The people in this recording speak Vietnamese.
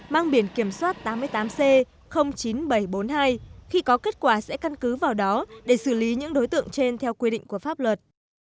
mang biển kiểm soát tám mươi tám c chín nghìn bảy trăm bốn mươi hai khi có kết quả sẽ căn cứ vào đó để xử lý những đối tượng trên theo quy định của pháp luật